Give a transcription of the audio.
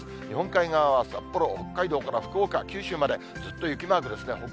日本海側は札幌、北海道から福岡、九州までずっと雪マークですね。